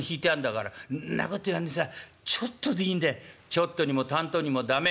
「ちょっとにもたんとにも駄目。